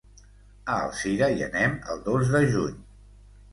A Alzira hi anem el dos de juny.